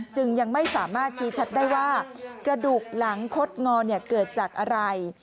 จึงยังไม่สามารถชี้ชัดได้ว่ากระดูกหลังคดงอเกิดจากอะไร